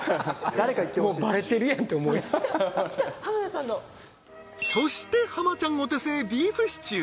誰かいってほしいもうバレてるやんって思うやんきた浜田さんのそして浜ちゃんお手製ビーフシチュー